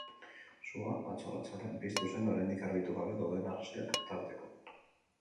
Sua atzo arratsaldean piztu zen, oraindik argitu gabe dauden arrazoiak tarteko.